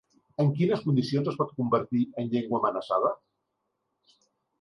En quines condicions es pot convertir en llengua amenaçada?